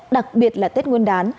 đặc biệt là tết nguyên đán